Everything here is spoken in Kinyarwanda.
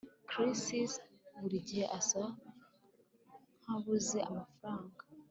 Chris burigihe asa nkabuze amafaranga